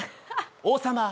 「王様